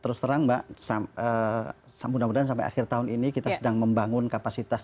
terus terang mbak mudah mudahan sampai akhir tahun ini kita sedang membangun kapasitas